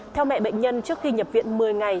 theo mẹ bệnh nhân trước khi nhập viện một mươi ngày